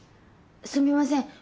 すみません。